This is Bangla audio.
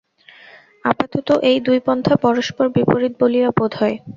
আপাতত এই দুই পন্থা পরস্পর বিপরীত বলিয়া বোধ হয়।